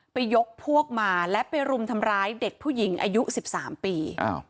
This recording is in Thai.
ยกพวกมาและไปรุมทำร้ายเด็กผู้หญิงอายุ๑๓ปี